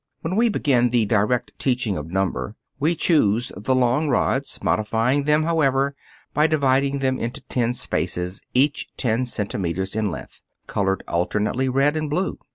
When we begin the direct teaching of number, we choose the long rods, modifying them, however, by dividing them into ten spaces, each ten centimeters in length, colored alternately red and blue.